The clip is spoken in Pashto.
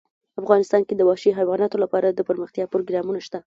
افغانستان کې د وحشي حیواناتو لپاره دپرمختیا پروګرامونه شته.